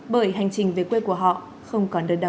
bởi hành trình về quê của họ không còn đơn đáo